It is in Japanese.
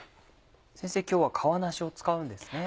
先生今日は皮なしを使うんですね。